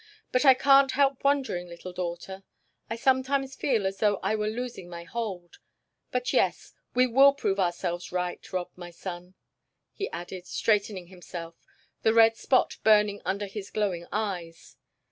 "But I can't help wondering, little daughter. I sometimes feel as though I were losing my hold. But, yes; we will prove ourselves right, Rob, my son," he added, straightening himself, the red spot burning under his glowing eyes.